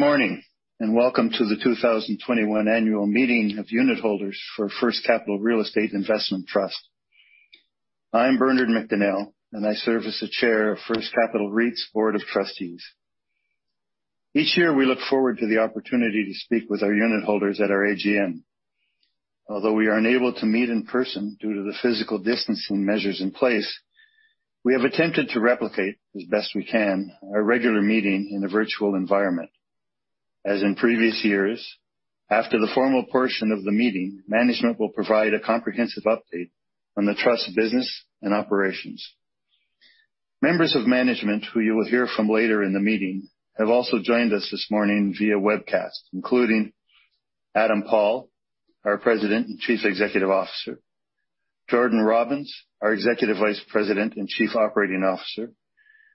Good morning. Welcome to the 2021 annual meeting of unitholders for First Capital Real Estate Investment Trust. I'm Bernard McDonell. I serve as the Chair of First Capital REIT's Board of Trustees. Each year, we look forward to the opportunity to speak with our unitholders at our AGM. Although we are unable to meet in person due to the physical distancing measures in place, we have attempted to replicate, as best we can, our regular meeting in a virtual environment. As in previous years, after the formal portion of the meeting, management will provide a comprehensive update on the Trust business and operations. Members of management who you will hear from later in the meeting have also joined us this morning via webcast, including Adam Paul, our President and Chief Executive Officer, Jordan Robins, our Executive Vice President and Chief Operating Officer,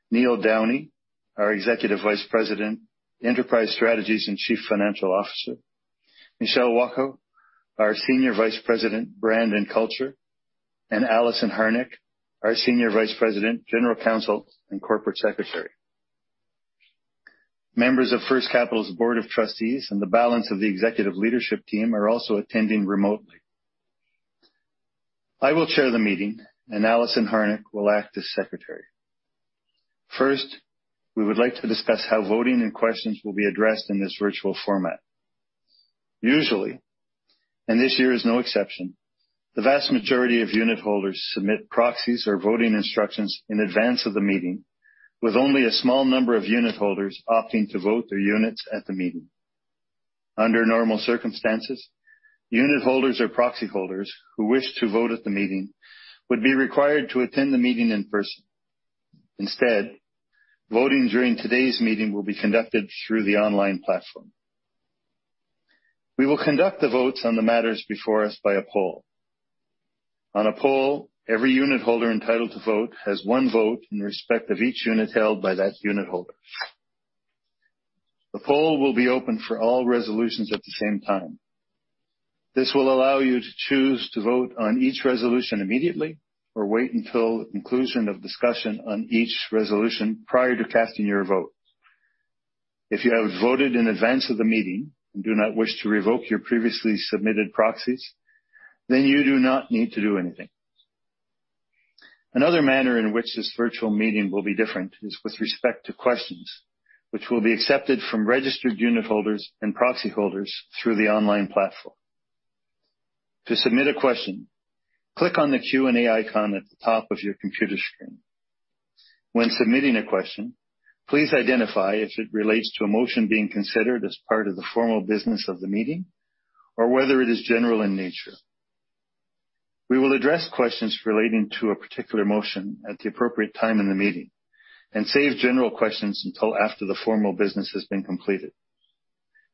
Neil Downey, our Executive Vice President, Enterprise Strategies, and Chief Financial Officer, Michele Walkau, our Senior Vice President, Brand & Culture, and Alison Harnick, our Senior Vice President, General Counsel, and Corporate Secretary. Members of First Capital's Board of Trustees and the balance of the Executive Leadership Team are also attending remotely. I will chair the meeting, and Alison Harnick will act as secretary. First, we would like to discuss how voting and questions will be addressed in this virtual format. Usually, and this year is no exception, the vast majority of unitholders submit proxies or voting instructions in advance of the meeting, with only a small number of unitholders opting to vote their units at the meeting. Under normal circumstances, unitholders or proxy holders who wish to vote at the meeting would be required to attend the meeting in person. Instead, voting during today's meeting will be conducted through the online platform. We will conduct the votes on the matters before us by a poll. On a poll, every unitholder entitled to vote has one vote in respect of each unit held by that unitholder. The poll will be open for all resolutions at the same time. This will allow you to choose to vote on each resolution immediately or wait until the conclusion of discussion on each resolution prior to casting your vote. If you have voted in advance of the meeting and do not wish to revoke your previously submitted proxies, then you do not need to do anything. Another manner in which this virtual meeting will be different is with respect to questions, which will be accepted from registered unitholders and proxy holders through the online platform. To submit a question, click on the Q&A icon at the top of your computer screen. When submitting a question, please identify if it relates to a motion being considered as part of the formal business of the meeting or whether it is general in nature. We will address questions relating to a particular motion at the appropriate time in the meeting and save general questions until after the formal business has been completed.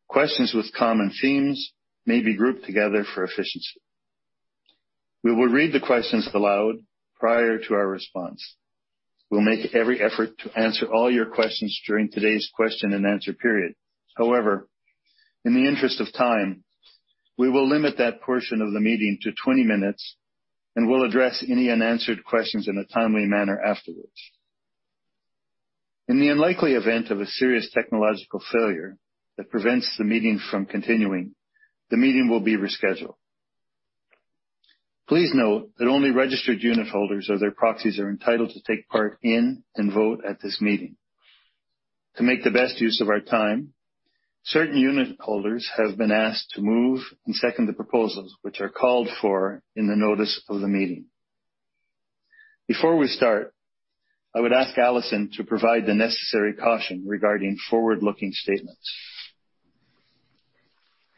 Questions with common themes may be grouped together for efficiency. We will read the questions aloud prior to our response. We'll make every effort to answer all your questions during today's question and answer period. However, in the interest of time, we will limit that portion of the meeting to 20 minutes and will address any unanswered questions in a timely manner afterwards. In the unlikely event of a serious technological failure that prevents the meeting from continuing, the meeting will be rescheduled. Please note that only registered unitholders or their proxies are entitled to take part in and vote at this meeting. To make the best use of our time, certain unitholders have been asked to move and second the proposals which are called for in the notice of the meeting. Before we start, I would ask Alison to provide the necessary caution regarding forward-looking statements.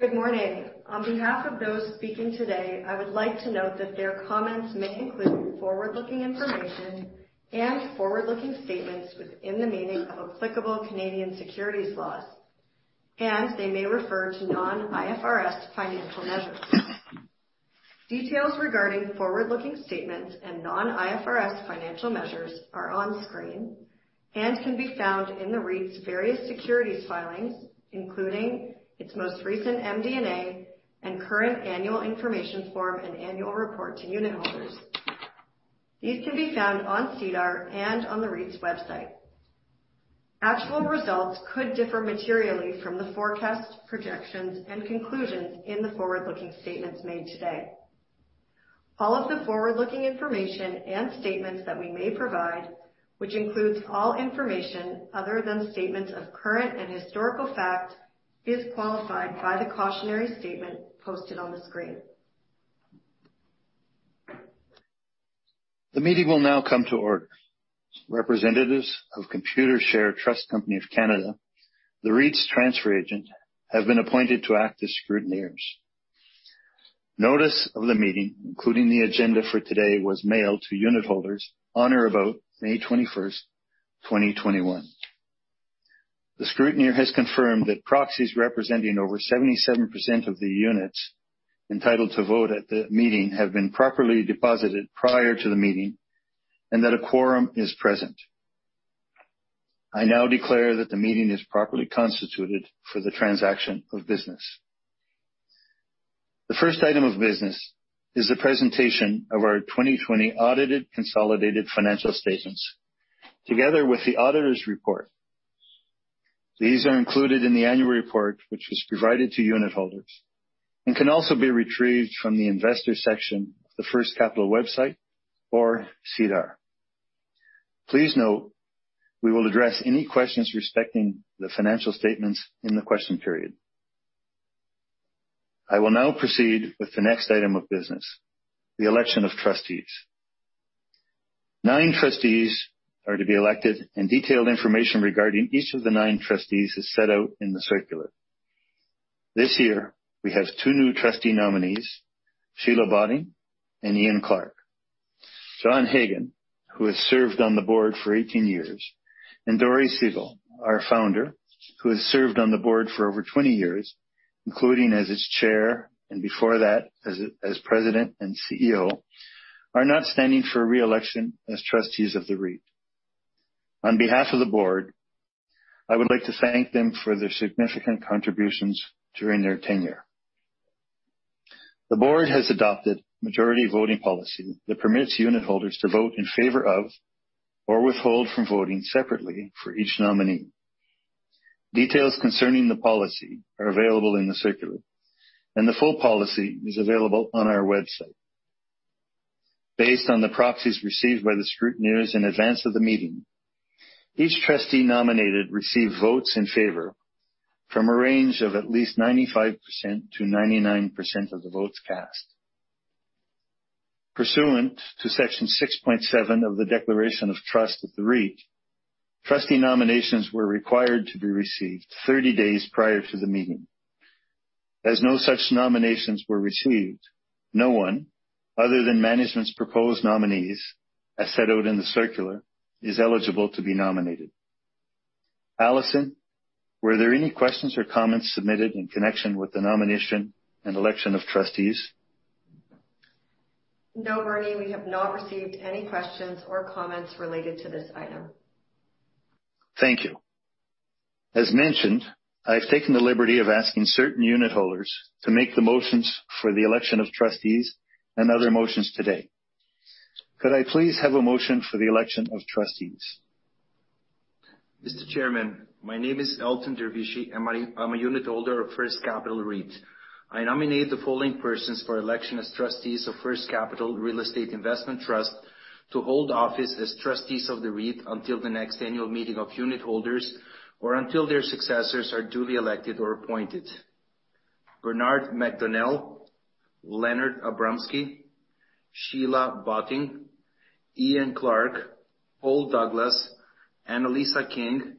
Good morning. On behalf of those speaking today, I would like to note that their comments may include forward-looking information and forward-looking statements within the meaning of applicable Canadian securities laws. They may refer to non-IFRS financial measures. Details regarding forward-looking statements and non-IFRS financial measures are on screen and can be found in the REIT's various securities filings, including its most recent MD&A and current annual information form and annual report to unitholders. These can be found on SEDAR and on the REIT's website. Actual results could differ materially from the forecasts, projections, and conclusions in the forward-looking statements made today. All of the forward-looking information and statements that we may provide, which includes all information other than statements of current and historical fact, is qualified by the cautionary statement posted on the screen. The meeting will now come to order. Representatives of Computershare Trust Company of Canada, the REIT's transfer agent, have been appointed to act as scrutineers. Notice of the meeting, including the agenda for today, was mailed to unitholders on or about May 21st, 2021. The scrutineer has confirmed that proxies representing over 77% of the units entitled to vote at the meeting have been properly deposited prior to the meeting and that a quorum is present. I now declare that the meeting is properly constituted for the transaction of business. The first item of business is the presentation of our 2020 audited consolidated financial statements together with the auditor's report. These are included in the annual report, which was provided to unitholders and can also be retrieved from the investor section of the First Capital website or SEDAR. Please note, we will address any questions respecting the financial statements in the question period. I will now proceed with the next item of business, the election of trustees. Nine trustees are to be elected, and detailed information regarding each of the nine trustees is set out in the circular. This year, we have two new trustee nominees, Sheila Botting and Ian Clarke. Jon Hagan, who has served on the board for 18 years, and Dori Segal, our founder, who has served on the board for over 20 years, including as its chair and before that as President and CEO, are not standing for re-election as trustees of the REIT. On behalf of the board, I would like to thank them for their significant contributions during their tenure. The board has adopted a majority voting policy that permits unitholders to vote in favor of or withhold from voting separately for each nominee. Details concerning the policy are available in the circular, and the full policy is available on our website. Based on the proxies received by the scrutineers in advance of the meeting, each trustee nominated received votes in favor from a range of at least 95%-99% of the votes cast. Pursuant to Section 6.7 of the Declaration of Trust of the REIT, trustee nominations were required to be received 30 days prior to the meeting. As no such nominations were received, no one, other than management's proposed nominees as set out in the circular, is eligible to be nominated. Alison, were there any questions or comments submitted in connection with the nomination and election of trustees? No, Bernie. We have not received any questions or comments related to this item. Thank you. As mentioned, I've taken the liberty of asking certain unitholders to make the motions for the election of trustees and other motions today. Could I please have a motion for the election of trustees? Mr. Chairman, my name is Elton Dervishi, and I'm a unitholder of First Capital REIT. I nominate the following persons for election as trustees of First Capital Real Estate Investment Trust to hold office as trustees of the REIT until the next annual meeting of unitholders or until their successors are duly elected or appointed. Bernard McDonell, Leonard Abramsky, Sheila Botting, Ian Clarke, Paul Douglas, Annalisa King,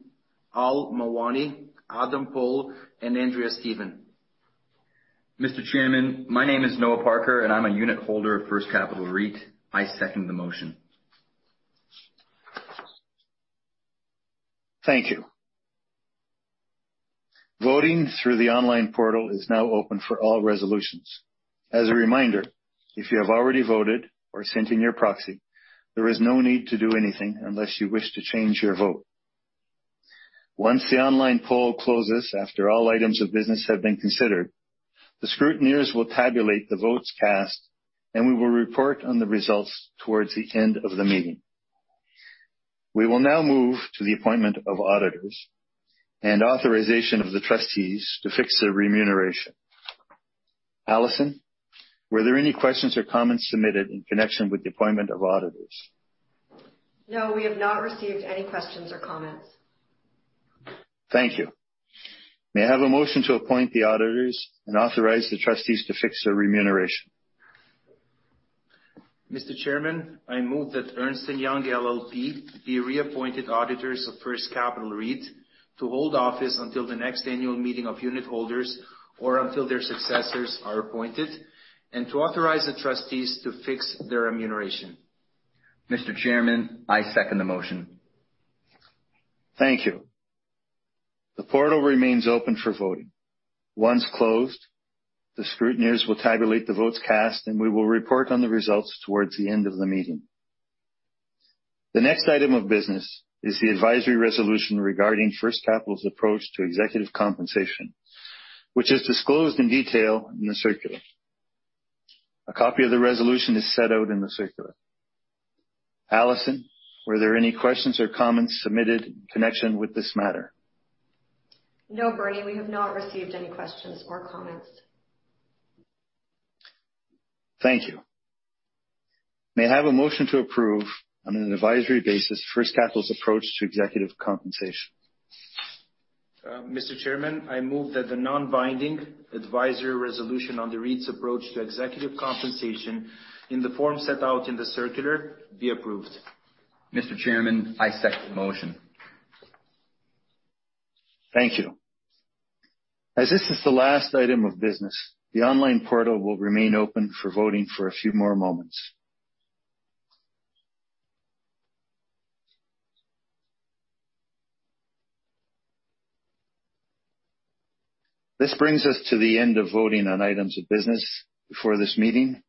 Al Mawani, Adam Paul, and Andrea Stephen. Mr. Chairman, my name is Noah Parker, and I'm a unitholder of First Capital REIT. I second the motion. Thank you. Voting through the online portal is now open for all resolutions. As a reminder, if you have already voted or sent in your proxy, there is no need to do anything unless you wish to change your vote. Once the online poll closes, after all items of business have been considered, the scrutineers will tabulate the votes cast, and we will report on the results towards the end of the meeting. We will now move to the appointment of auditors and authorization of the trustees to fix their remuneration. Alison, were there any questions or comments submitted in connection with the appointment of auditors? No, we have not received any questions or comments. Thank you. May I have a motion to appoint the auditors and authorize the trustees to fix their remuneration? Mr. Chairman, I move that Ernst & Young LLP be reappointed auditors of First Capital REIT to hold office until the next annual meeting of unitholders or until their successors are appointed, and to authorize the trustees to fix their remuneration. Mr. Chairman, I second the motion. Thank you. The portal remains open for voting. Once closed, the scrutineers will tabulate the votes cast, and we will report on the results towards the end of the meeting. The next item of business is the advisory resolution regarding First Capital's approach to executive compensation, which is disclosed in detail in the circular. A copy of the resolution is set out in the circular. Alison, were there any questions or comments submitted in connection with this matter? No, Bernie, we have not received any questions or comments. Thank you. May I have a motion to approve on an advisory basis First Capital's approach to executive compensation? Mr. Chairman, I move that the non-binding advisory resolution on the REIT's approach to executive compensation in the form set out in the circular be approved. Mr. Chairman, I second the motion. Thank you. As this is the last item of business, the online portal will remain open for voting for a few more moments. This brings us to the end of voting on items of business for this meeting,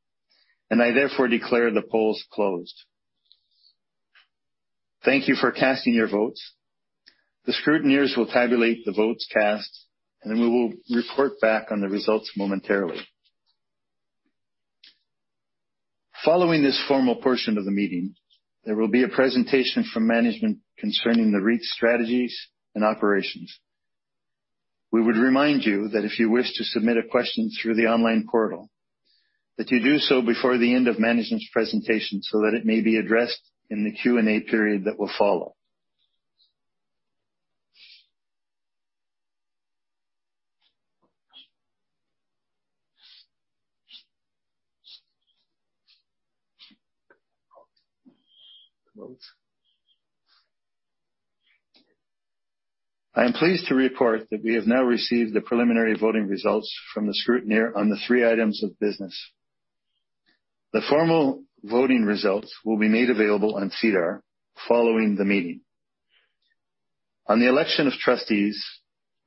and I therefore declare the polls closed. Thank you for casting your votes. The scrutineers will tabulate the votes cast, and we will report back on the results momentarily. Following this formal portion of the meeting, there will be a presentation from management concerning the REIT's strategies and operations. We would remind you that if you wish to submit a question through the online portal, that you do so before the end of management's presentation so that it may be addressed in the Q&A period that will follow. I am pleased to report that we have now received the preliminary voting results from the scrutineer on the 3 items of business. The formal voting results will be made available on SEDAR following the meeting. On the election of trustees,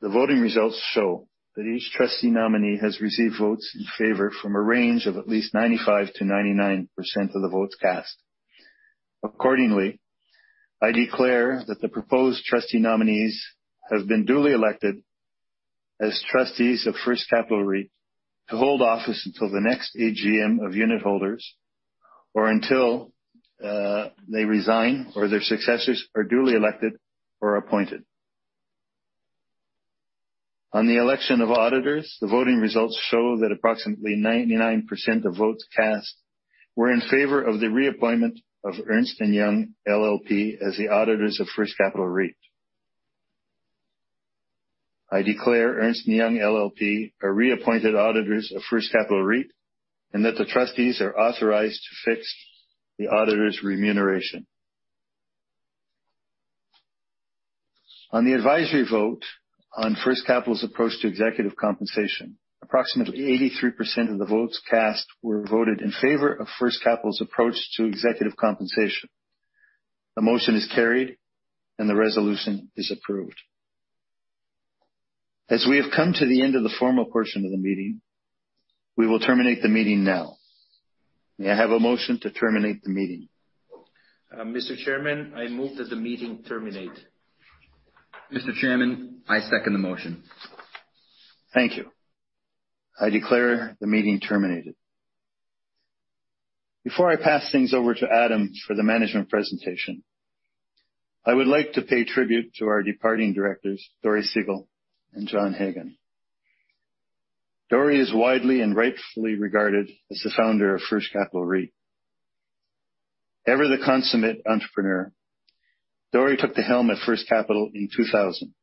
the voting results show that each trustee nominee has received votes in favor from a range of at least 95%-99% of the votes cast. Accordingly, I declare that the proposed trustee nominees have been duly elected as trustees of First Capital REIT to hold office until the next AGM of unit holders or until they resign or their successors are duly elected or appointed. On the election of auditors, the voting results show that approximately 99% of votes cast were in favor of the reappointment of Ernst & Young LLP as the auditors of First Capital REIT. I declare Ernst & Young LLP are reappointed auditors of First Capital REIT and that the trustees are authorized to fix the auditor's remuneration. On the advisory vote on First Capital's approach to executive compensation, approximately 83% of the votes cast were voted in favor of First Capital's approach to executive compensation. The motion is carried and the resolution is approved. As we have come to the end of the formal portion of the meeting, we will terminate the meeting now. May I have a motion to terminate the meeting? Mr. Chairman, I move that the meeting terminate. Mr. Chairman, I second the motion. Thank you. I declare the meeting terminated. Before I pass things over to Adam for the management presentation, I would like to pay tribute to our departing directors, Dori Segal and Jon Hagan. Dori is widely and rightfully regarded as the founder of First Capital REIT. Ever the consummate entrepreneur, Dori took the helm at First Capital in 2000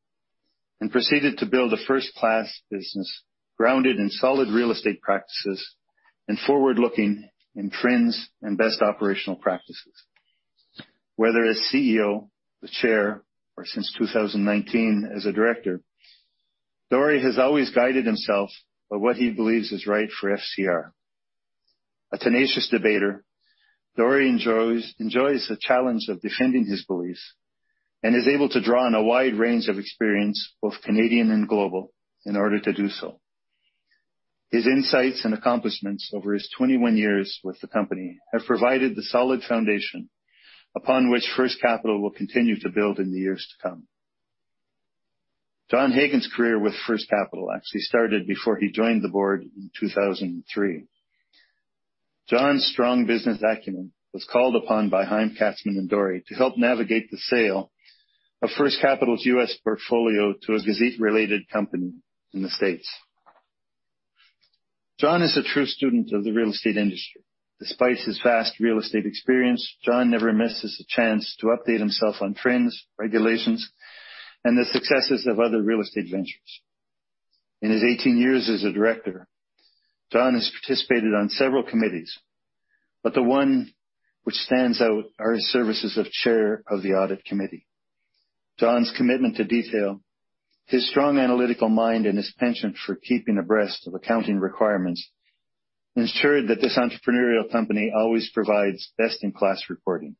and proceeded to build a first-class business grounded in solid real estate practices and forward-looking in trends and best operational practices. Whether as CEO, the chair, or since 2019 as a director, Dori has always guided himself by what he believes is right for FCR. A tenacious debater, Dori enjoys the challenge of defending his beliefs and is able to draw on a wide range of experience, both Canadian and global, in order to do so. His insights and accomplishments over his 21 years with the company have provided the solid foundation upon which First Capital will continue to build in the years to come. Jon Hagan's career with First Capital actually started before he joined the board in 2003. Jon's strong business acumen was called upon by Chaim Katzman and Dori to help navigate the sale of First Capital's U.S. portfolio to a Gazit-related company in the States. Jon is a true student of the real estate industry. Despite his vast real estate experience, Jon never misses a chance to update himself on trends, regulations, and the successes of other real estate ventures. In his 18 years as a director, Jon has participated on several committees, but the one which stands out are his services of chair of the audit committee. Jon's commitment to detail, his strong analytical mind, and his penchant for keeping abreast of accounting requirements ensured that this entrepreneurial company always provides best-in-class reporting.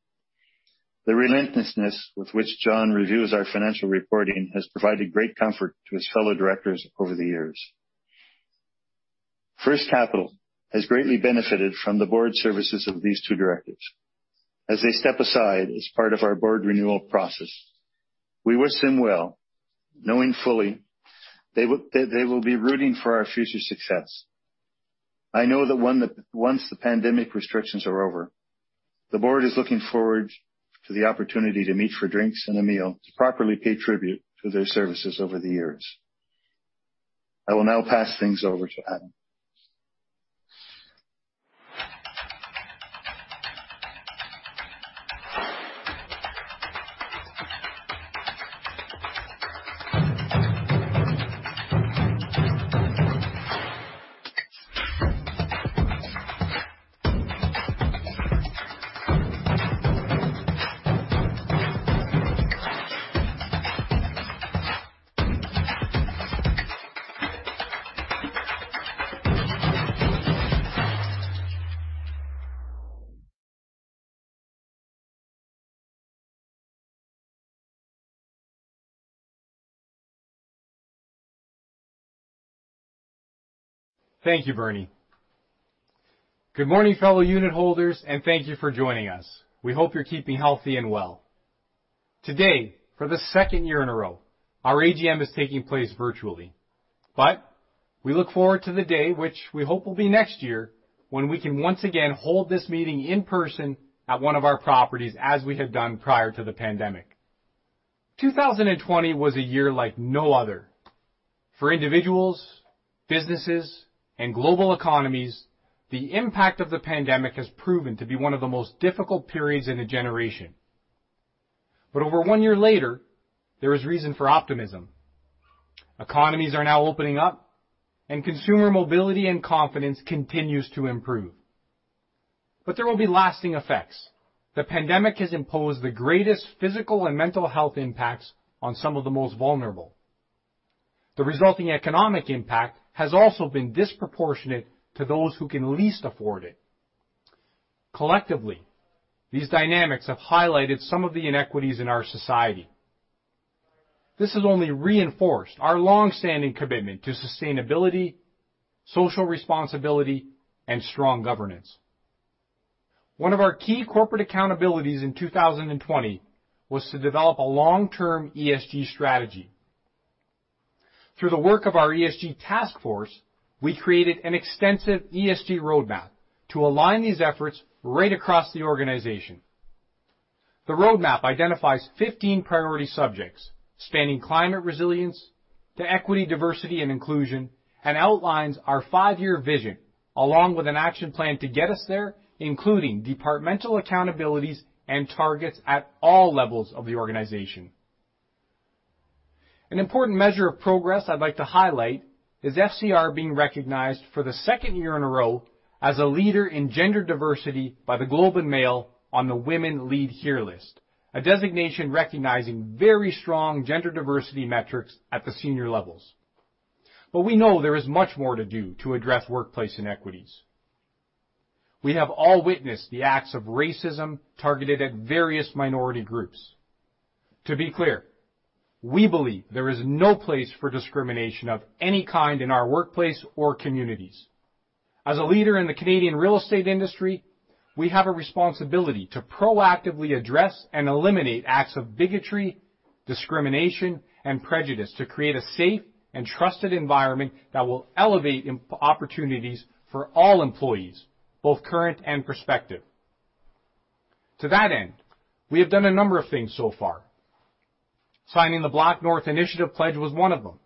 The relentlessness with which Jon reviews our financial reporting has provided great comfort to his fellow directors over the years. First Capital has greatly benefited from the board services of these two directors. As they step aside as part of our board renewal process, we wish them well, knowing fully they will be rooting for our future success. I know that once the pandemic restrictions are over, the board is looking forward to the opportunity to meet for drinks and a meal to properly pay tribute to their services over the years. I will now pass things over to Adam. Thank you, Bernard. Good morning, fellow unit holders, and thank you for joining us. We hope you're keeping healthy and well. Today, for the second year in a row, our AGM is taking place virtually. We look forward to the day, which we hope will be next year, when we can once again hold this meeting in person at one of our properties as we have done prior to the pandemic. 2020 was a year like no other. For individuals, businesses, and global economies, the impact of the pandemic has proven to be one of the most difficult periods in a generation. Over one year later, there is reason for optimism. Economies are now opening up, and consumer mobility and confidence continues to improve. There will be lasting effects. The pandemic has imposed the greatest physical and mental health impacts on some of the most vulnerable. The resulting economic impact has also been disproportionate to those who can least afford it. Collectively, these dynamics have highlighted some of the inequities in our society. This has only reinforced our long-standing commitment to sustainability, social responsibility, and strong governance. One of our key corporate accountabilities in 2020 was to develop a long-term ESG strategy. Through the work of our ESG task force, we created an extensive ESG roadmap to align these efforts right across the organization. The roadmap identifies 15 priority subjects spanning climate resilience to equity, diversity, and inclusion, and outlines our five-year vision along with an action plan to get us there, including departmental accountabilities and targets at all levels of the organization. An important measure of progress I'd like to highlight is FCR being recognized for the second year in a row as a leader in gender diversity by The Globe and Mail on the Women Lead Here list, a designation recognizing very strong gender diversity metrics at the senior levels. We know there is much more to do to address workplace inequities. We have all witnessed the acts of racism targeted at various minority groups. To be clear, we believe there is no place for discrimination of any kind in our workplace or communities. As a leader in the Canadian real estate industry, we have a responsibility to proactively address and eliminate acts of bigotry, discrimination, and prejudice to create a safe and trusted environment that will elevate opportunities for all employees, both current and prospective. To that end, we have done a number of things so far. Signing the BlackNorth Initiative pledge was one of them.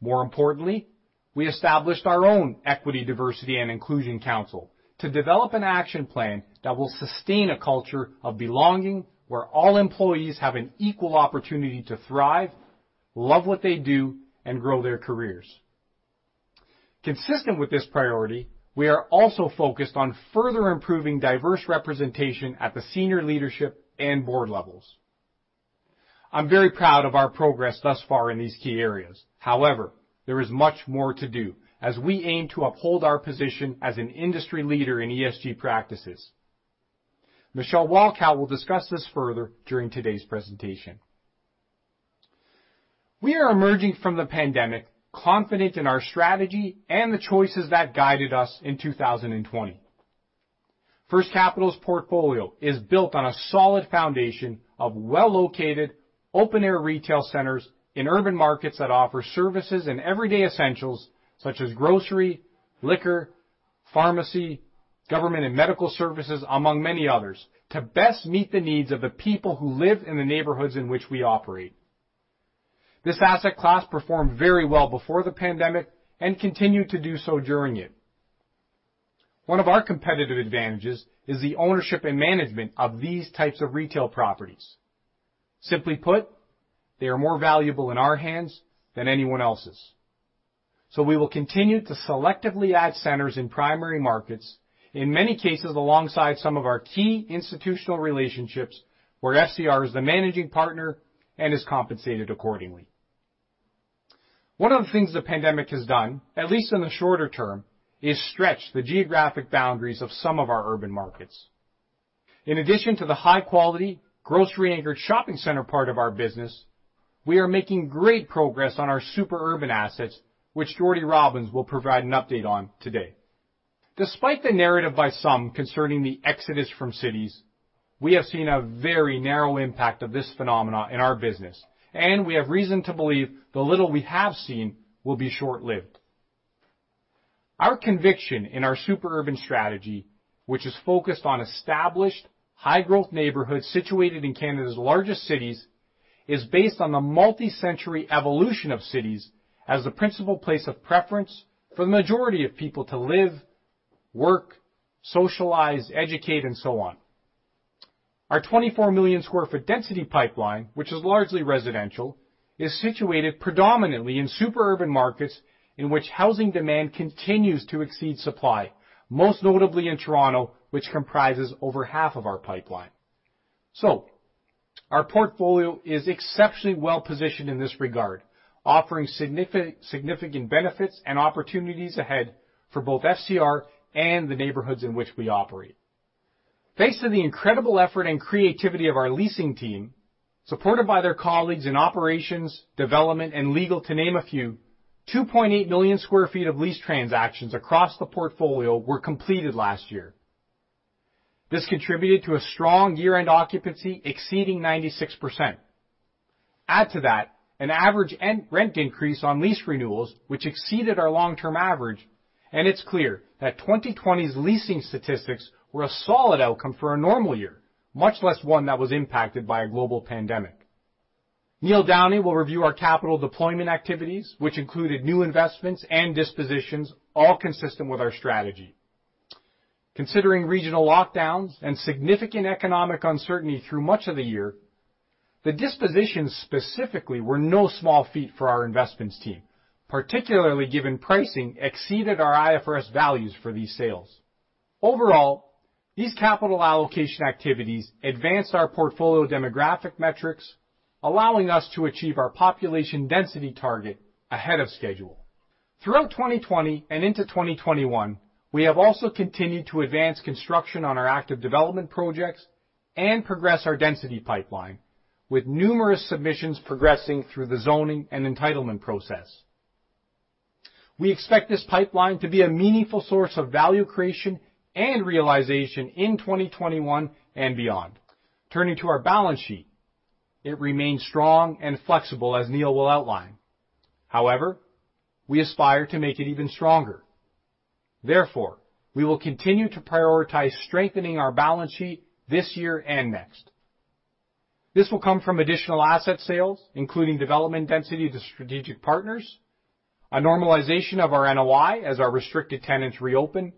More importantly, we established our own equity, diversity, and inclusion council to develop an action plan that will sustain a culture of belonging where all employees have an equal opportunity to thrive, love what they do, and grow their careers. Consistent with this priority, we are also focused on further improving diverse representation at the senior leadership and board levels. I'm very proud of our progress thus far in these key areas. However, there is much more to do as we aim to uphold our position as an industry leader in ESG practices. Michele Walkau will discuss this further during today's presentation. We are emerging from the pandemic confident in our strategy and the choices that guided us in 2020. First Capital's portfolio is built on a solid foundation of well-located, open-air retail centers in urban markets that offer services and everyday essentials such as grocery, liquor, pharmacy, government, and medical services, among many others, to best meet the needs of the people who live in the neighborhoods in which we operate. This asset class performed very well before the pandemic and continued to do so during it. One of our competitive advantages is the ownership and management of these types of retail properties. Simply put, they are more valuable in our hands than anyone else's. We will continue to selectively add centers in primary markets, in many cases, alongside some of our key institutional relationships where FCR is the managing partner and is compensated accordingly. One of the things the pandemic has done, at least in the shorter term, is stretch the geographic boundaries of some of our urban markets. In addition to the high-quality, grocery-anchored shopping center part of our business, we are making great progress on our super urban assets, which Jordan Robins will provide an update on today. Despite the narrative by some concerning the exodus from cities, we have seen a very narrow impact of this phenomenon in our business, and we have reason to believe the little we have seen will be short-lived. Our conviction in our super urban strategy, which is focused on established high-growth neighborhoods situated in Canada's largest cities, is based on the multi-century evolution of cities as the principal place of preference for the majority of people to live, work, socialize, educate, and so on. Our 24 million sq ft density pipeline, which is largely residential, is situated predominantly in super urban markets in which housing demand continues to exceed supply, most notably in Toronto, which comprises over half of our pipeline. Our portfolio is exceptionally well-positioned in this regard, offering significant benefits and opportunities ahead for both FCR and the neighborhoods in which we operate. Thanks to the incredible effort and creativity of our leasing team, supported by their colleagues in operations, development and legal, to name a few, 2.8 million sq ft of lease transactions across the portfolio were completed last year. This contributed to a strong year-end occupancy exceeding 96%. Add to that an average rent increase on lease renewals, which exceeded our long-term average, and it's clear that 2020's leasing statistics were a solid outcome for a normal year, much less one that was impacted by a global pandemic. Neil Downey will review our capital deployment activities, which included new investments and dispositions, all consistent with our strategy. Considering regional lockdowns and significant economic uncertainty through much of the year, the dispositions specifically were no small feat for our investments team, particularly given pricing exceeded our IFRS values for these sales. Overall, these capital allocation activities advanced our portfolio demographic metrics, allowing us to achieve our population density target ahead of schedule. Throughout 2020 and into 2021, we have also continued to advance construction on our active development projects and progress our density pipeline, with numerous submissions progressing through the zoning and entitlement process. We expect this pipeline to be a meaningful source of value creation and realization in 2021 and beyond. Turning to our balance sheet, it remains strong and flexible, as Neil will outline. We aspire to make it even stronger. Therefore, we will continue to prioritize strengthening our balance sheet this year and next. This will come from additional asset sales, including development density to strategic partners, a normalization of our NOI as our restricted tenants reopen,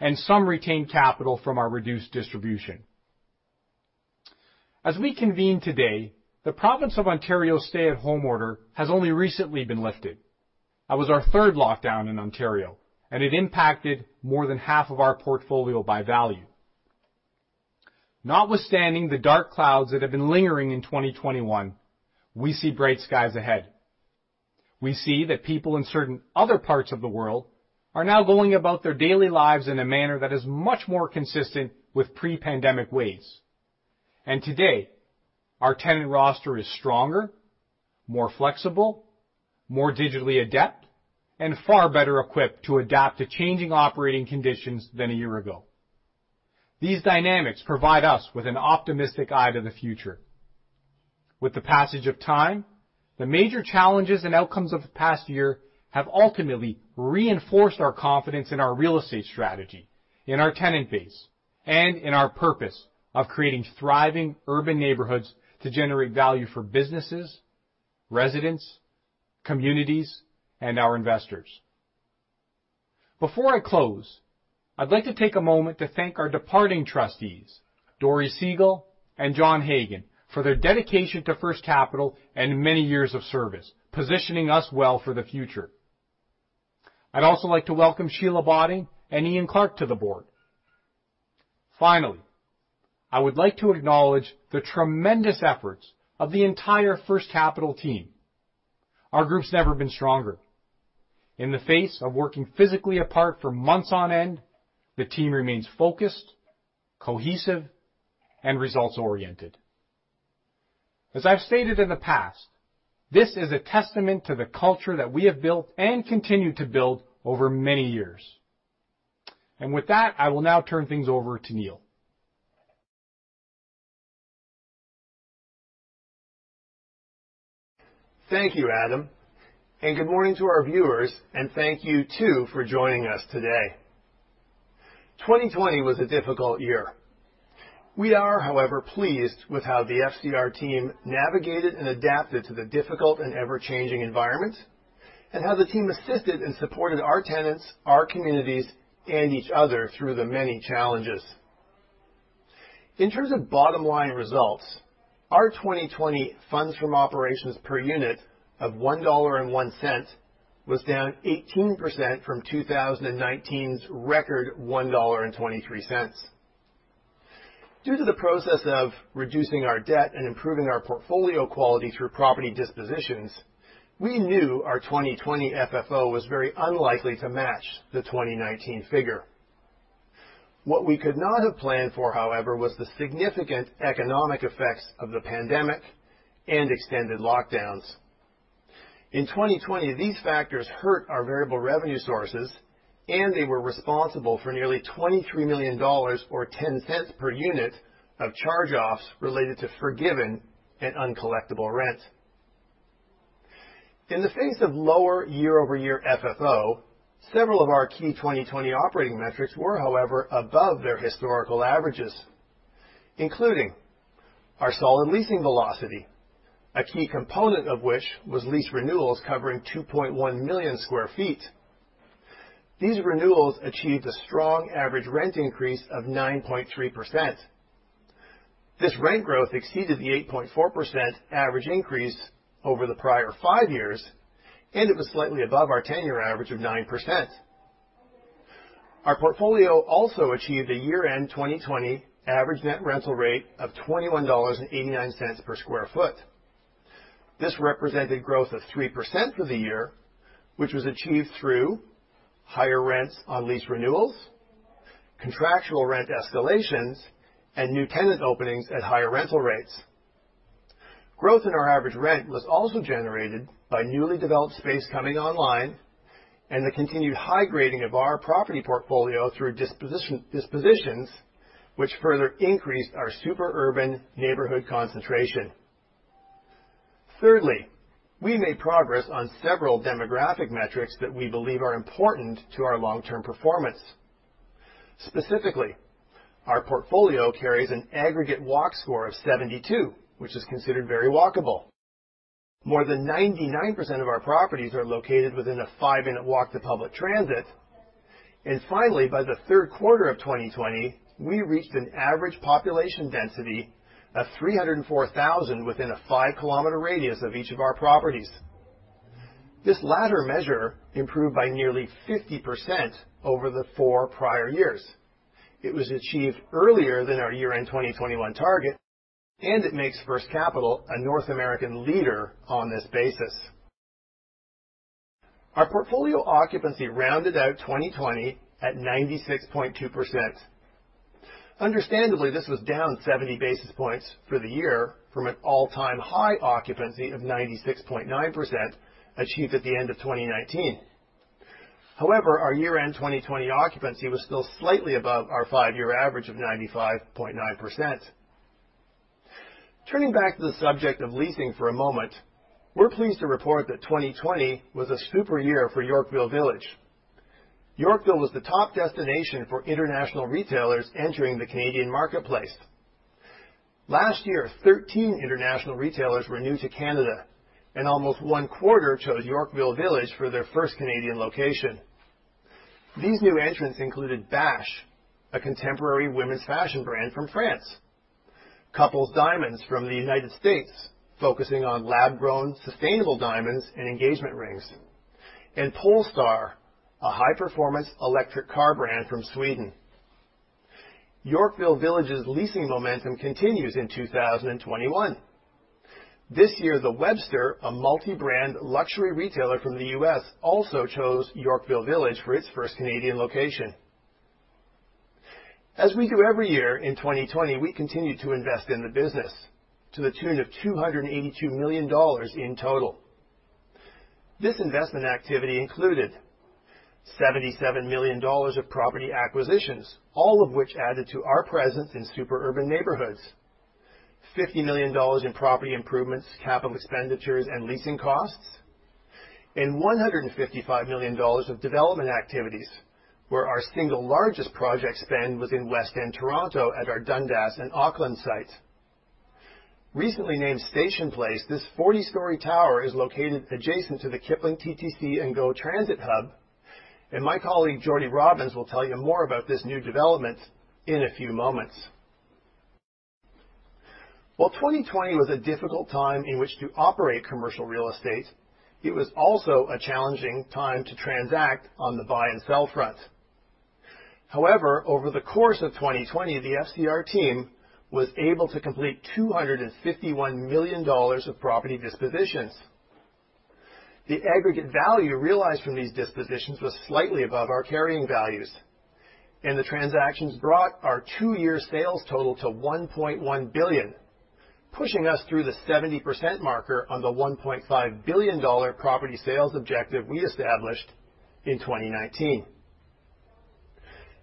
and some retained capital from our reduced distribution. As we convene today, the province of Ontario's stay-at-home order has only recently been lifted. That was our third lockdown in Ontario, and it impacted more than half of our portfolio by value. Notwithstanding the dark clouds that have been lingering in 2021, we see bright skies ahead. We see that people in certain other parts of the world are now going about their daily lives in a manner that is much more consistent with pre-pandemic ways. Today, our tenant roster is stronger, more flexible, more digitally adept, and far better equipped to adapt to changing operating conditions than a year ago. These dynamics provide us with an optimistic eye to the future. With the passage of time, the major challenges and outcomes of the past year have ultimately reinforced our confidence in our real estate strategy, in our tenant base, and in our purpose of creating thriving urban neighborhoods to generate value for businesses, residents, communities, and our investors. Before I close, I'd like to take a moment to thank our departing trustees, Dori Segal and Jon Hagan, for their dedication to First Capital and many years of service, positioning us well for the future. I'd also like to welcome Sheila Botting and Ian Clarke to the Board. Final, I would like to acknowledge the tremendous efforts of the entire First Capital team. Our group's never been stronger. In the face of working physically apart for months on end, the team remains focused, cohesive, and results-oriented. As I've stated in the past, this is a testament to the culture that we have built and continue to build over many years. With that, I will now turn things over to Neil. Thank you, Adam, and good morning to our viewers, and thank you, too, for joining us today. 2020 was a difficult year. We are, however, pleased with how the FCR team navigated and adapted to the difficult and ever-changing environment and how the team assisted and supported our tenants, our communities, and each other through the many challenges. In terms of bottom line results, our 2020 funds from operations per unit of 1.01 dollar was down 18% from 2019's record 1.23 dollar. Due to the process of reducing our debt and improving our portfolio quality through property dispositions, we knew our 2020 FFO was very unlikely to match the 2019 figure. What we could not have planned for, however, was the significant economic effects of the pandemic and extended lockdowns. In 2020, these factors hurt our variable revenue sources. They were responsible for nearly 23 million dollars, or 0.10 per unit, of charge-offs related to forgiven and uncollectible rent. In the face of lower year-over-year FFO, several of our key 2020 operating metrics were, however, above their historical averages, including our solid leasing velocity, a key component of which was lease renewals covering 2.1 million sq ft. These renewals achieved a strong average rent increase of 9.3%. This rent growth exceeded the 8.4% average increase over the prior five years. It was slightly above our 10-year average of 9%. Our portfolio also achieved a year-end 2020 average net rental rate of 21.89 dollars per sq ft. This represented growth of 3% for the year, which was achieved through higher rents on lease renewals, contractual rent escalations, and new tenant openings at higher rental rates. Growth in our average rent was also generated by newly developed space coming online, and the continued high grading of our property portfolio through dispositions, which further increased our super urban neighborhood concentration. Thirdly, we made progress on several demographic metrics that we believe are important to our long-term performance. Specifically, our portfolio carries an aggregate Walk Score of 72, which is considered very walkable. More than 99% of our properties are located within a 5-minute walk to public transit. Finally, by the third quarter of 2020, we reached an average population density of 304,000 within a 5 km radius of each of our properties. This latter measure improved by nearly 50% over the four prior years. It was achieved earlier than our year-end 2021 target. It makes First Capital a North American leader on this basis. Our portfolio occupancy rounded out 2020 at 96.2%. Understandably, this was down 70 basis points for the year from an all-time high occupancy of 96.9% achieved at the end of 2019. However, our year-end 2020 occupancy was still slightly above our five-year average of 95.9%. Turning back to the subject of leasing for a moment, we're pleased to report that 2020 was a super year for Yorkville Village. Yorkville was the top destination for international retailers entering the Canadian marketplace. Last year, 13 international retailers were new to Canada. Almost one-quarter chose Yorkville Village for their first Canadian location. These new entrants included ba&sh, a contemporary women's fashion brand from France, Couple Diamonds from the U.S., focusing on lab-grown, sustainable diamonds and engagement rings, and Polestar, a high-performance electric car brand from Sweden. Yorkville Village's leasing momentum continues in 2021. This year, The Webster, a multi-brand luxury retailer from the U.S., also chose Yorkville Village for its first Canadian location. As we do every year, in 2020, we continued to invest in the business to the tune of 282 million dollars in total. This investment activity included 77 million dollars of property acquisitions, all of which added to our presence in super urban neighborhoods. 50 million dollars in property improvements, capital expenditures, and leasing costs, and 155 million dollars of development activities, where our single largest project spend was in West End Toronto at our Dundas and Auckland site. Recently named Station Place, this 40-story tower is located adjacent to the Kipling TTC and GO Transit hub, and my colleague Jordan Robins will tell you more about this new development in a few moments. While 2020 was a difficult time in which to operate commercial real estate, it was also a challenging time to transact on the buy and sell front. However, over the course of 2020, the FCR team was able to complete 251 million dollars of property dispositions. The aggregate value realized from these dispositions was slightly above our carrying values, and the transactions brought our two-year sales total to 1.1 billion, pushing us through the 70% marker on the 1.5 billion dollar property sales objective we established in 2019.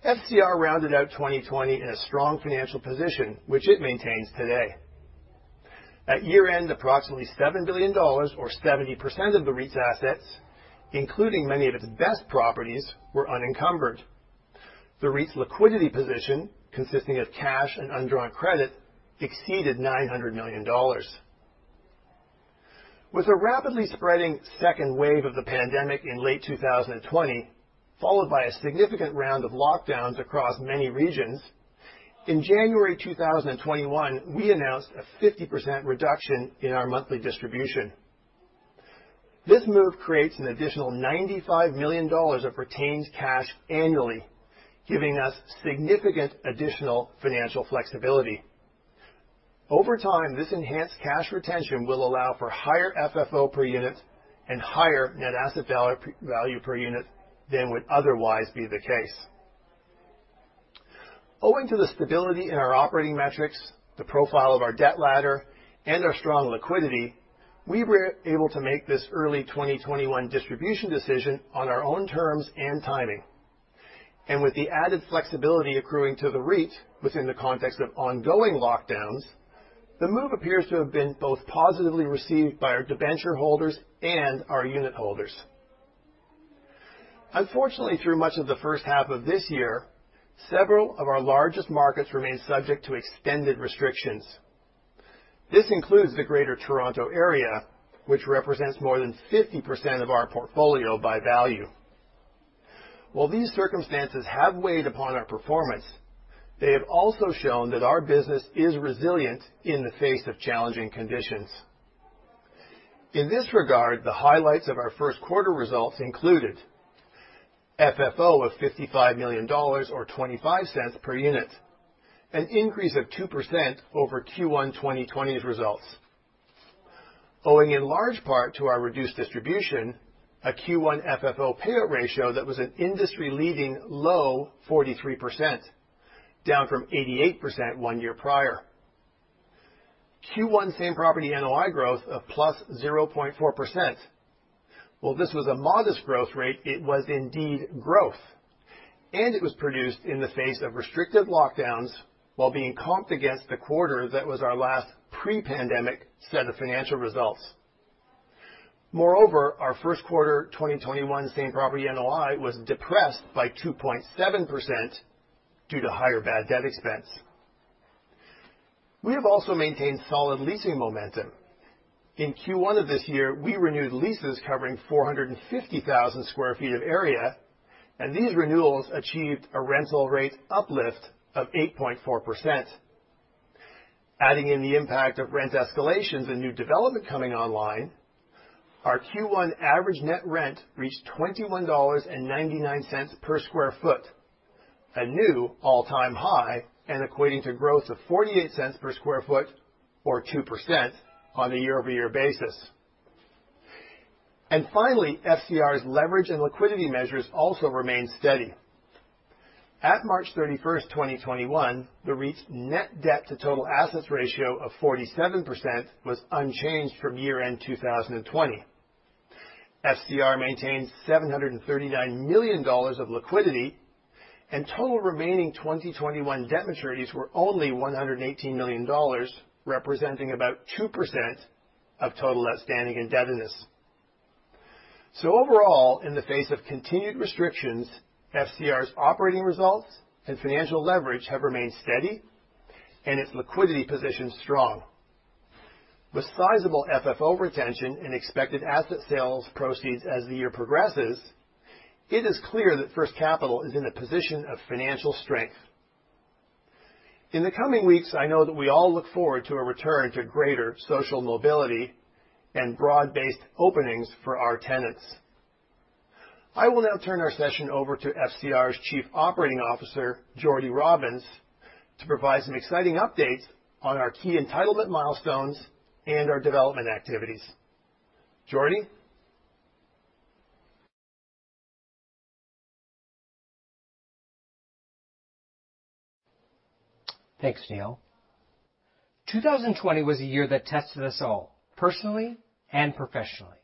FCR rounded out 2020 in a strong financial position, which it maintains today. At year-end, approximately 7 billion dollars or 70% of the REIT's assets, including many of its best properties, were unencumbered. The REIT's liquidity position, consisting of cash and undrawn credit, exceeded 900 million dollars. With a rapidly spreading second wave of the pandemic in late 2020, followed by a significant round of lockdowns across many regions, in January 2021, we announced a 50% reduction in our monthly distribution. This move creates an additional 95 million dollars of retained cash annually, giving us significant additional financial flexibility. Over time, this enhanced cash retention will allow for higher FFO per unit and higher net asset value per unit than would otherwise be the case. Owing to the stability in our operating metrics, the profile of our debt ladder, and our strong liquidity, we were able to make this early 2021 distribution decision on our own terms and timing. With the added flexibility accruing to the REIT within the context of ongoing lockdowns, the move appears to have been both positively received by our debenture holders and our unitholders. Unfortunately, through much of the first half of this year, several of our largest markets remain subject to extended restrictions. This includes the Greater Toronto Area, which represents more than 50% of our portfolio by value. While these circumstances have weighed upon our performance, they have also shown that our business is resilient in the face of challenging conditions. In this regard, the highlights of our first quarter results includedFFO of 55 million dollars or 0.25 per unit, an increase of 2% over Q1 2020's results. Owing in large part to our reduced distribution, a Q1 FFO payout ratio that was an industry-leading low 43%, down from 88% one year prior. Q1 same property NOI growth of +0.4%. While this was a modest growth rate, it was indeed growth, and it was produced in the face of restrictive lockdowns while being comped against the quarter that was our last pre-pandemic set of financial results. Moreover, our first quarter 2021 same property NOI was depressed by 2.7% due to higher bad debt expense. We have also maintained solid leasing momentum. In Q1 of this year, we renewed leases covering 450,000 sq ft of area, and these renewals achieved a rental rate uplift of 8.4%. Adding in the impact of rent escalations and new development coming online, our Q1 average net rent reached 21.99 dollars per square foot, a new all-time high, equating to growth of 0.48 per square foot or 2% on a year-over-year basis. Finally, FCR's leverage and liquidity measures also remain steady. At March 31st, 2021, the REIT's net debt to total assets ratio of 47% was unchanged from year-end 2020. FCR maintained 739 million dollars of liquidity, and total remaining 2021 debt maturities were only 118 million dollars, representing about 2% of total outstanding indebtedness. Overall, in the face of continued restrictions, FCR's operating results and financial leverage have remained steady and its liquidity position strong. With sizable FFO retention and expected asset sales proceeds as the year progresses, it is clear that First Capital is in a position of financial strength. In the coming weeks, I know that we all look forward to a return to greater social mobility and broad-based openings for our tenants. I will now turn our session over to FCR's Chief Operating Officer, Jordan Robins, to provide some exciting updates on our key entitlement milestones and our development activities. Jordan Robins? Thanks, Neil. 2020 was a year that tested us all personally and professionally.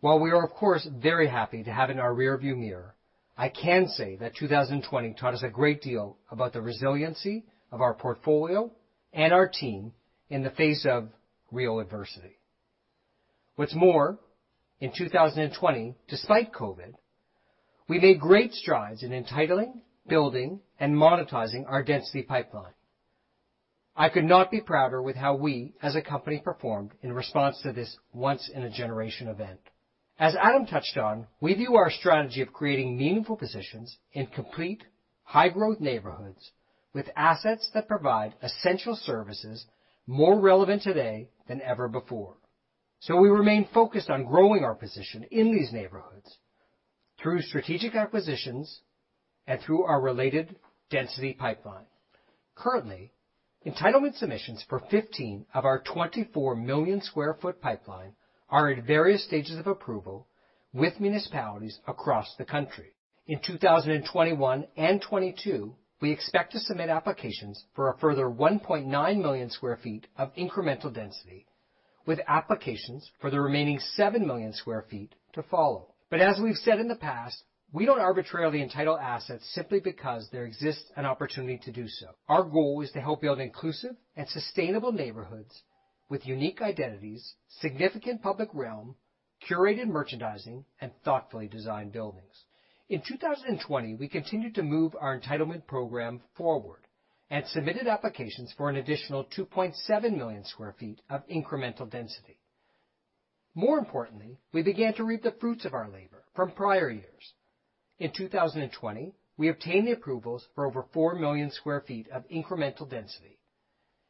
While we are of course, very happy to have it in our rearview mirror, I can say that 2020 taught us a great deal about the resiliency of our portfolio and our team in the face of real adversity. What's more, in 2020, despite COVID, we made great strides in entitling, building, and monetizing our density pipeline. I could not be prouder with how we as a company performed in response to this once-in-a-generation event. As Adam touched on, we view our strategy of creating meaningful positions in complete high-growth neighborhoods with assets that provide essential services more relevant today than ever before. We remain focused on growing our position in these neighborhoods through strategic acquisitions and through our related density pipeline. Currently, entitlement submissions for 15 million sq ft of our 24 million sq ft pipeline are at various stages of approval with municipalities across the country. In 2021 and 2022, we expect to submit applications for a further 1.9 million sq ft of incremental density with applications for the remaining 7 million sq ft to follow. As we've said in the past, we don't arbitrarily entitle assets simply because there exists an opportunity to do so. Our goal is to help build inclusive and sustainable neighborhoods with unique identities, significant public realm, curated merchandising, and thoughtfully designed buildings. In 2020, we continued to move our entitlement program forward and submitted applications for an additional 2.7 million sq ft of incremental density. More importantly, we began to reap the fruits of our labor from prior years. In 2020, we obtained the approvals for over 4 million square feet of incremental density,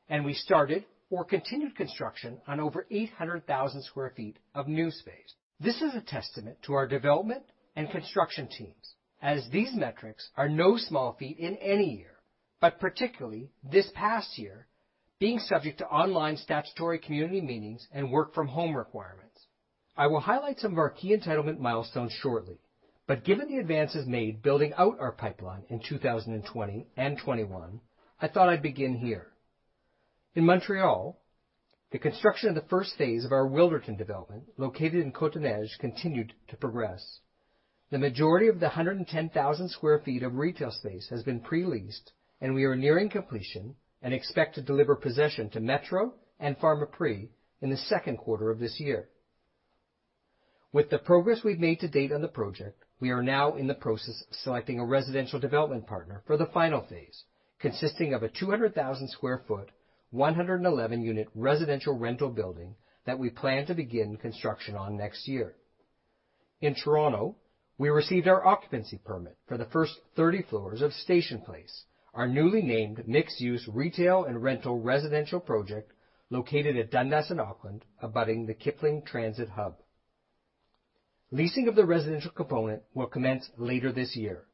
and we started or continued construction on over 800,000 square feet of new space. This is a testament to our development and construction teams as these metrics are no small feat in any year, but particularly this past year, being subject to online statutory community meetings and work from home requirements. I will highlight some of our key entitlement milestones shortly, but given the advances made building out our pipeline in 2020 and 2021, I thought I'd begin here. In Montreal, the construction of the first phase of our Wilderton development located in Cote-des-Neiges continued to progress. The majority of the 110,000 sq ft of retail space has been pre-leased, and we are nearing completion and expect to deliver possession to Metro and Pharmaprix in the second quarter of this year. With the progress we've made to date on the project, we are now in the process of selecting a residential development partner for the final phase, consisting of a 200,000 sq ft, 111-unit residential rental building that we plan to begin construction on next year. In Toronto, we received our occupancy permit for the first 30 floors of Station Place, our newly named mixed-use retail and rental residential project located at Dundas and Auckland abutting the Kipling Mobility Hub. Leasing of the residential component will commence later this year.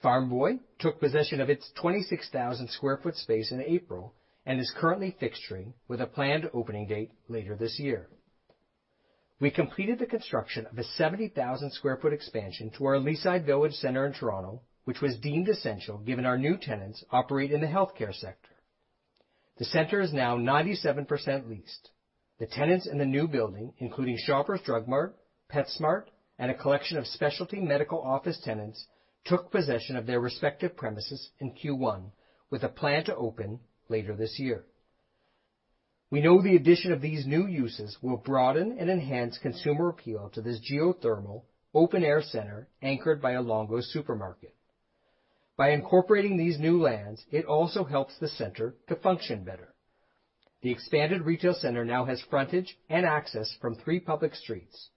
Farm Boy took possession of its 26,000 square foot space in April and is currently fixturing with a planned opening date later this year. We completed the construction of a 70,000 square foot expansion to our Leaside Village Center in Toronto, which was deemed essential given our new tenants operate in the healthcare sector. The center is now 97% leased. The tenants in the new building, including Shoppers Drug Mart, PetSmart, and a collection of specialty medical office tenants, took possession of their respective premises in Q1 with a plan to open later this year. We know the addition of these new uses will broaden and enhance consumer appeal to this geothermal open-air center anchored by a Longo's supermarket. By incorporating these new lands, it also helps the center to function better. The expanded retail center now has frontage and access from three public streets,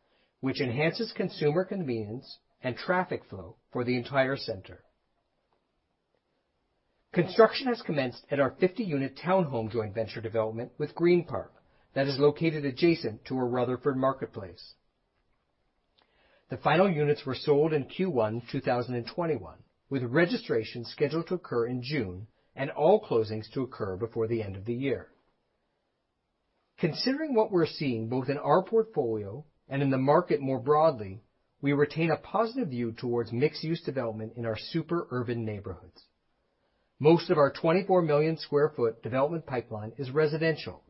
which enhances consumer convenience and traffic flow for the entire center. Construction has commenced at our 50-unit town home joint venture development with Greenpark that is located adjacent to our Rutherford Marketplace. The final units were sold in Q1 2021, with registration scheduled to occur in June and all closings to occur before the end of the year. Considering what we're seeing both in our portfolio and in the market more broadly, we retain a positive view towards mixed-use development in our super urban neighborhoods. Most of our 24 million sq ft development pipeline is residential,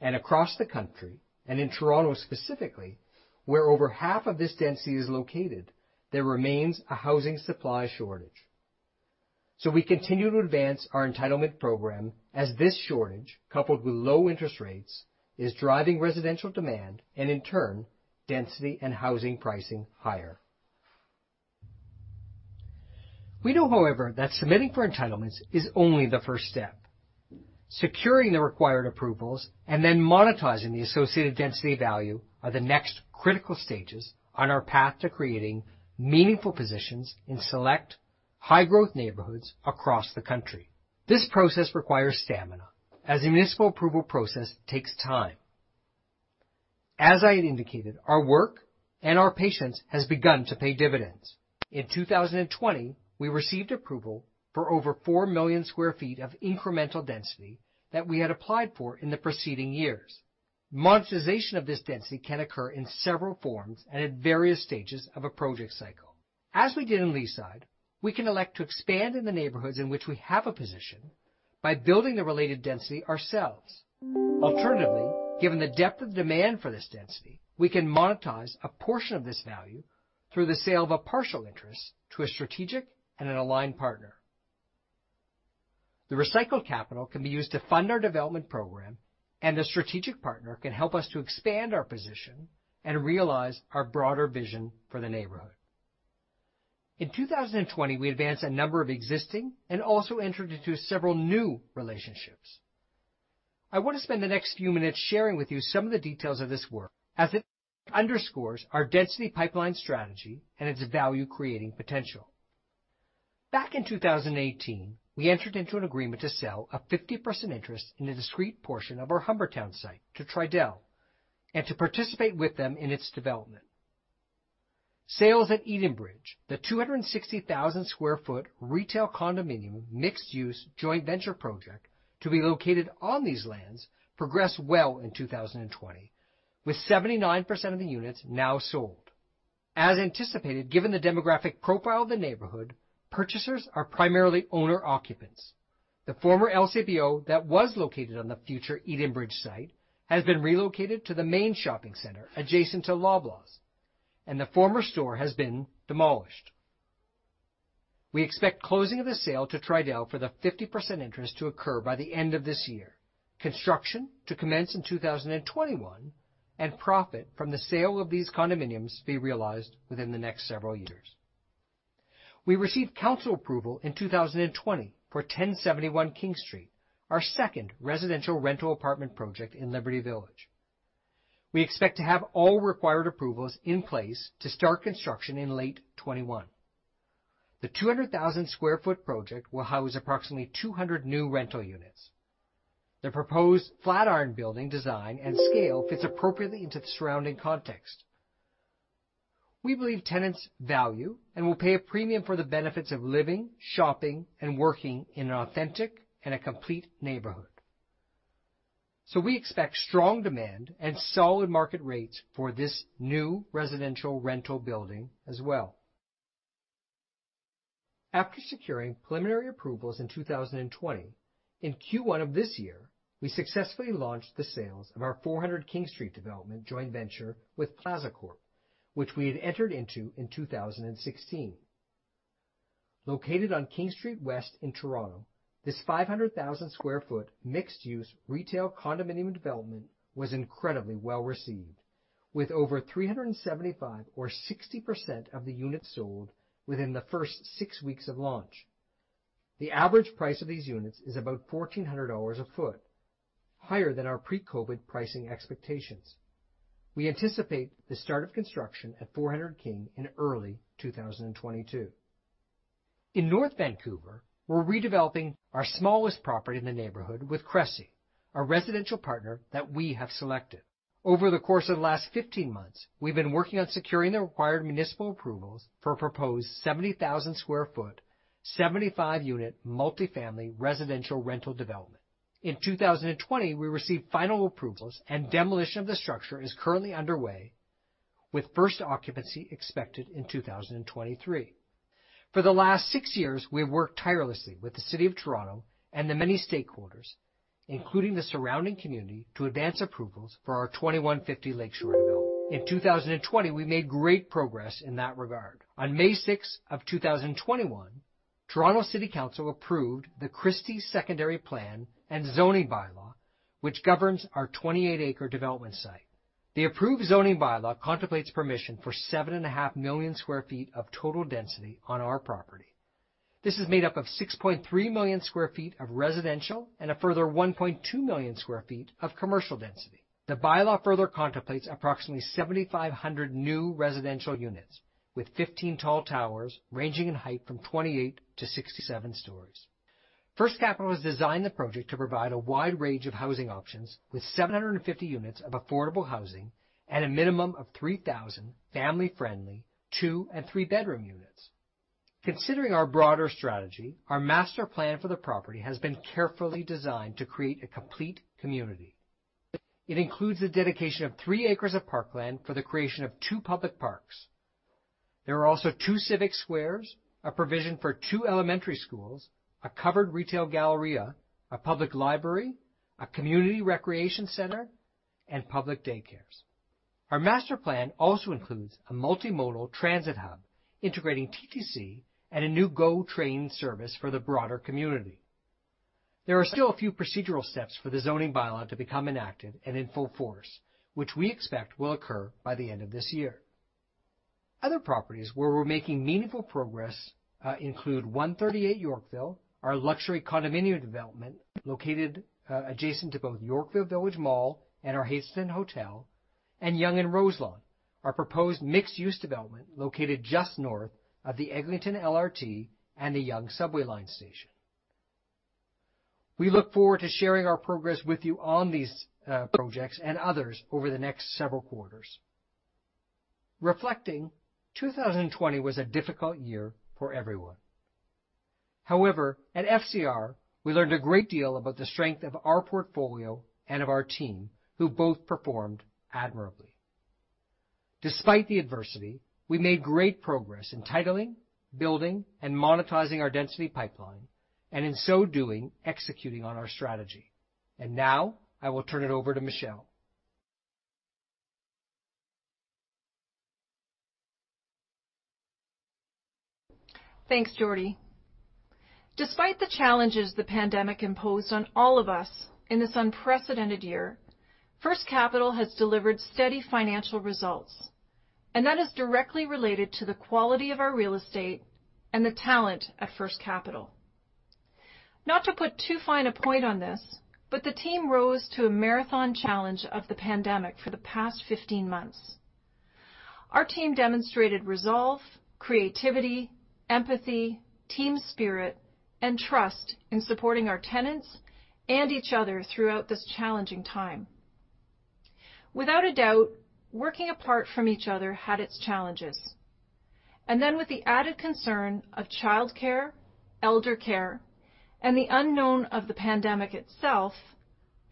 and across the country, and in Toronto specifically, where over half of this density is located, there remains a housing supply shortage. We continue to advance our entitlement program as this shortage, coupled with low interest rates, is driving residential demand and in turn, density and housing pricing higher. We know, however, that submitting for entitlements is only the first step. Securing the required approvals and then monetizing the associated density value are the next critical stages on our path to creating meaningful positions in select high-growth neighborhoods across the country. This process requires stamina, as the municipal approval process takes time. As I indicated, our work and our patience has begun to pay dividends. In 2020, we received approval for over 4 million square feet of incremental density that we had applied for in the preceding years. Monetization of this density can occur in several forms and at various stages of a project cycle. As we did in Leaside, we can elect to expand in the neighborhoods in which we have a position by building the related density ourselves. Alternatively, given the depth of demand for this density, we can monetize a portion of this value through the sale of a partial interest to a strategic and an aligned partner. The recycled capital can be used to fund our development program, and a strategic partner can help us to expand our position and realize our broader vision for the neighborhood. In 2020, we advanced a number of existing and also entered into several new relationships. I want to spend the next few minutes sharing with you some of the details of this work as it underscores our density pipeline strategy and its value-creating potential. Back in 2018, we entered into an agreement to sell a 50% interest in a discrete portion of our Humbertown site to Tridel and to participate with them in its development. Sales at Edenbridge, the 260,000 sq ft retail condominium mixed-use joint venture project to be located on these lands progressed well in 2020, with 79% of the units now sold. As anticipated, given the demographic profile of the neighborhood, purchasers are primarily owner occupants. The former LCBO that was located on the future Edenbridge site has been relocated to the main shopping center adjacent to Loblaws, and the former store has been demolished. We expect closing of the sale to Tridel for the 50% interest to occur by the end of this year, construction to commence in 2021, and profit from the sale of these condominiums to be realized within the next several years. We received council approval in 2020 for 1071 King Street, our second residential rental apartment project in Liberty Village. We expect to have all required approvals in place to start construction in late 2021. The 200,000 sq ft project will house approximately 200 new rental units. The proposed flatiron building design and scale fits appropriately into the surrounding context. We believe tenants value and will pay a premium for the benefits of living, shopping, and working in an authentic and a complete neighborhood. We expect strong demand and solid market rates for this new residential rental building as well. After securing preliminary approvals in 2020, in Q1 of this year, we successfully launched the sales of our 400 King Street development joint venture with Plazacorp, which we had entered into in 2016. Located on King Street West in Toronto, this 500,000 sq ft mixed-use retail condominium development was incredibly well-received, with over 375 or 60% of the units sold within the first 6 weeks of launch. The average price of these units is about 1,400 a foot, higher than our pre-COVID pricing expectations. We anticipate the start of construction at 400 King in early 2022. In North Vancouver, we're redeveloping our smallest property in the neighborhood with Cressey, a residential partner that we have selected. Over the course of the last 15 months, we've been working on securing the required municipal approvals for a proposed 70,000 sq ft, 75-unit multi-family residential rental development. In 2020, we received final approvals, and demolition of the structure is currently underway, with first occupancy expected in 2023. For the last 6 years, we have worked tirelessly with the City of Toronto and the many stakeholders, including the surrounding community, to advance approvals for our 2150 Lake Shore build. In 2020, we made great progress in that regard. On May 6th of 2021, Toronto City Council approved the Christie Secondary Plan and Zoning Bylaw, which governs our 28-acre development site. The approved zoning bylaw contemplates permission for 7.5 million square feet of total density on our property. This is made up of 6.3 million square feet of residential and a further 1.2 million square feet of commercial density. The bylaw further contemplates approximately 7,500 new residential units, with 15 tall towers ranging in height from 28 to 67 stories. First Capital has designed the project to provide a wide range of housing options, with 750 units of affordable housing and a minimum of 3,000 family-friendly 2 and 3-bedroom units. Considering our broader strategy, our master plan for the property has been carefully designed to create a complete community. It includes the dedication of 3 acres of parkland for the creation of 2 public parks. There are also 2 civic squares, a provision for 2 elementary schools, a covered retail galleria, a public library, a community recreation center, and public daycares. Our master plan also includes a multimodal transit hub integrating TTC and a new GO train service for the broader community. There are still a few procedural steps for the zoning by-law to become enacted and in full force, which we expect will occur by the end of this year. Other properties where we're making meaningful progress include 138 Yorkville, our luxury condominium development located adjacent to both Yorkville Village Mall and our Hazelton Hotel, and Yonge and Roselawn, our proposed mixed-use development located just north of the Eglinton LRT and the Yonge subway line station. We look forward to sharing our progress with you on these projects and others over the next several quarters. Reflecting, 2020 was a difficult year for everyone. At FCR, we learned a great deal about the strength of our portfolio and of our team, who both performed admirably. Despite the adversity, we made great progress in entitling, building, and monetizing our density pipeline, and in so doing, executing on our strategy. Now I will turn it over to Michele. Thanks, Jordie. Despite the challenges the pandemic imposed on all of us in this unprecedented year, First Capital has delivered steady financial results, and that is directly related to the quality of our real estate and the talent at First Capital. Not to put too fine a point on this, but the team rose to a marathon challenge of the pandemic for the past 15 months. Our team demonstrated resolve, creativity, empathy, team spirit, and trust in supporting our tenants and each other throughout this challenging time. Without a doubt, working apart from each other had its challenges, and then with the added concern of childcare, eldercare, and the unknown of the pandemic itself,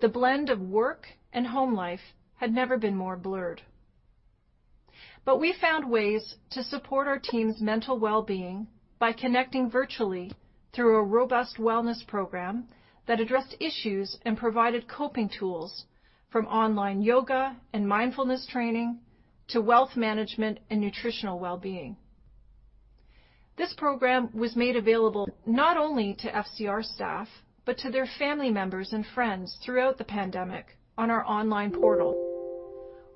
the blend of work and home life had never been more blurred. We found ways to support our team's mental well-being by connecting virtually through a robust wellness program that addressed issues and provided coping tools from online yoga and mindfulness training to wealth management and nutritional well-being. This program was made available not only to FCR staff but to their family members and friends throughout the pandemic on our online portal.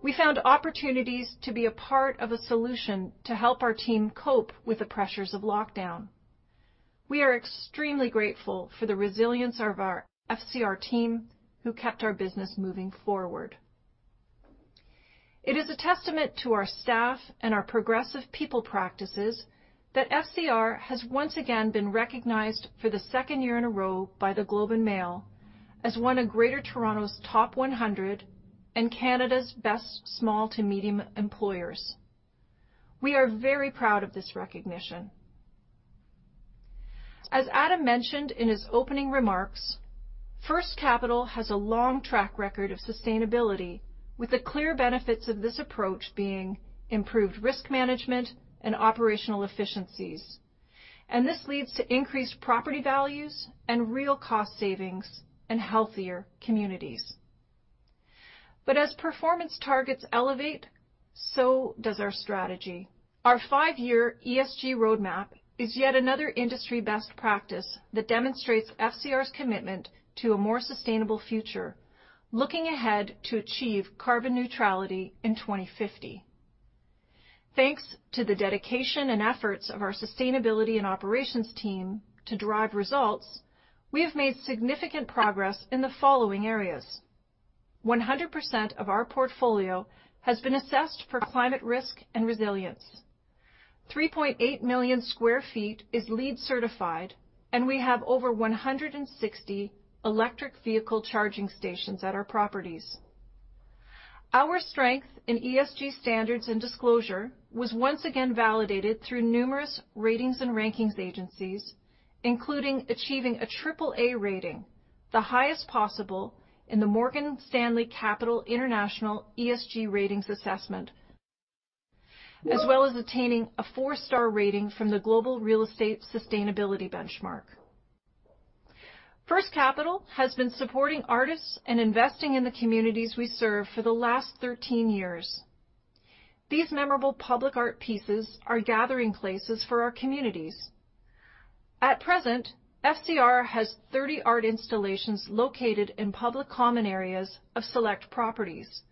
We found opportunities to be a part of a solution to help our team cope with the pressures of lockdown. We are extremely grateful for the resilience of our FCR team, who kept our business moving forward. It is a testament to our staff and our progressive people practices that FCR has once again been recognized for the second year in a row by The Globe and Mail as one of Greater Toronto's Top 100 and Canada's Best Small to Medium Employers. We are very proud of this recognition. As Adam mentioned in his opening remarks, First Capital has a long track record of sustainability, with the clear benefits of this approach being improved risk management and operational efficiencies, this leads to increased property values and real cost savings and healthier communities. As performance targets elevate, so does our strategy. Our 5-year ESG roadmap is yet another industry best practice that demonstrates FCR's commitment to a more sustainable future, looking ahead to achieve carbon neutrality in 2050. Thanks to the dedication and efforts of our sustainability and operations team to derive results, we have made significant progress in the following areas. 100% of our portfolio has been assessed for climate risk and resilience. 3.8 million sq ft is LEED certified, and we have over 160 electric vehicle charging stations at our properties. Our strength in ESG standards and disclosure was once again validated through numerous ratings and rankings agencies, including achieving a triple A rating, the highest possible in the Morgan Stanley Capital International ESG ratings assessment, as well as attaining a four-star rating from the Global Real Estate Sustainability Benchmark. First Capital has been supporting artists and investing in the communities we serve for the last 13 years. These memorable public art pieces are gathering places for our communities. At present, FCR has 30 art installations located in public common areas of select properties,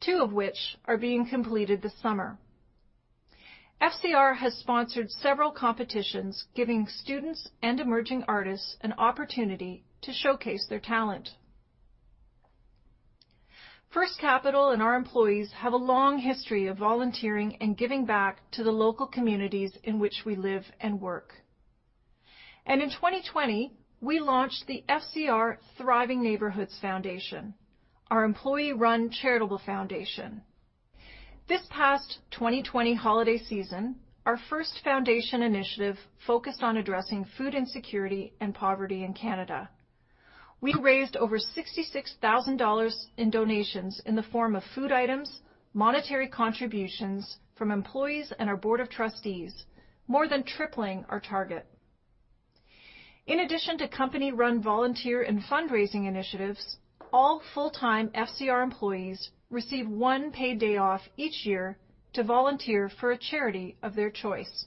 2 of which are being completed this summer. FCR has sponsored several competitions, giving students and emerging artists an opportunity to showcase their talent. First Capital and our employees have a long history of volunteering and giving back to the local communities in which we live and work. In 2020, we launched the FCR Thriving Neighborhoods Foundation, our employee-run charitable foundation. This past 2020 holiday season, our first foundation initiative focused on addressing food insecurity and poverty in Canada. We raised over 66,000 dollars in donations in the form of food items, monetary contributions from employees and our board of trustees, more than tripling our target. In addition to company-run volunteer and fundraising initiatives, all full-time FCR employees receive one paid day off each year to volunteer for a charity of their choice.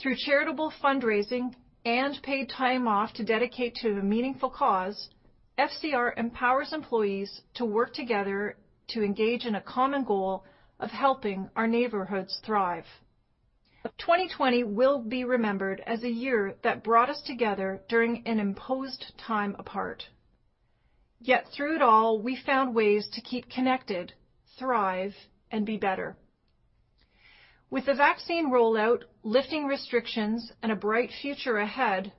Through charitable fundraising and paid time off to dedicate to a meaningful cause, FCR empowers employees to work together to engage in a common goal of helping our neighborhoods thrive. 2020 will be remembered as a year that brought us together during an imposed time apart. Through it all, we found ways to keep connected, thrive, and be better. With the vaccine rollout, lifting restrictions, and a bright future ahead,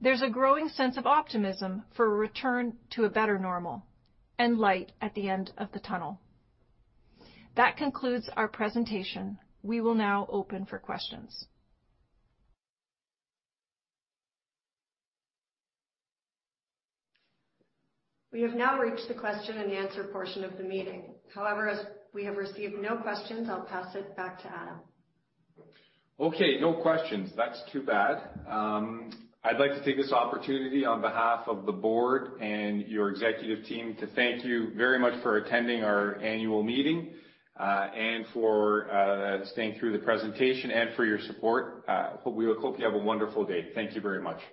there's a growing sense of optimism for a return to a better normal and light at the end of the tunnel. That concludes our presentation. We will now open for questions. We have now reached the question and answer portion of the meeting. As we have received no questions, I'll pass it back to Adam. Okay. No questions. That's too bad. I'd like to take this opportunity on behalf of the board and your executive team to thank you very much for attending our annual meeting, and for staying through the presentation, and for your support. We hope you have a wonderful day. Thank you very much